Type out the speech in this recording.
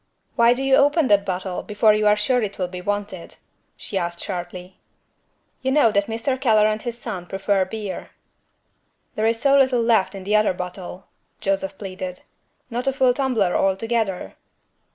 "Why do you open that bottle, before you are sure it will be wanted?" She asked sharply. "You know that Mr. Keller and his son prefer beer." "There is so little left in the other bottle," Joseph pleaded; "not a full tumbler altogether."